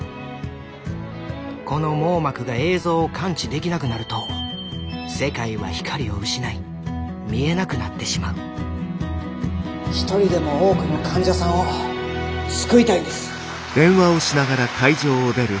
この網膜が映像を感知できなくなると世界は光を失い見えなくなってしまう一人でも多くの患者さんを救いたいんです。